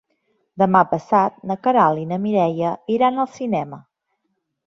Demà passat na Queralt i na Mireia iran al cinema.